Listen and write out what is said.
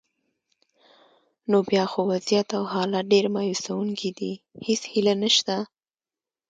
نو بیا خو وضعیت او حالات ډېر مایوسونکي دي، هیڅ هیله نشته.